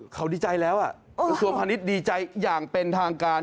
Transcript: เขาดีใจแล้วกระทรวงพาณิชย์ดีใจอย่างเป็นทางการ